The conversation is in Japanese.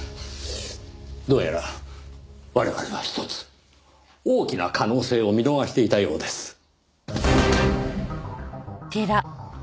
どうやら我々はひとつ大きな可能性を見逃していたようです。